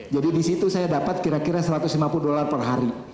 jadi disitu saya dapat kira kira satu ratus lima puluh dollar per hari